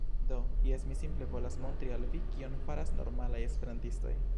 Do, jes mi simple volas montri al vi kion faras normalaj esperantistoj